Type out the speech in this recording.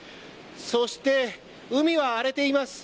そして、海は荒れています。